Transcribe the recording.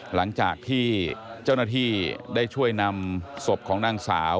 หลังจากที่เจ้าหน้าที่ได้ช่วยนำศพของนางสาว